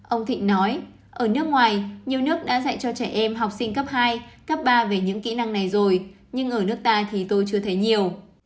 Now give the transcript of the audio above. ông thịnh nói ở nước ngoài nhiều nước đã dạy cho trẻ em học sinh cấp hai cấp ba về những kỹ năng này rồi nhưng ở nước ta thì tôi chưa thấy nhiều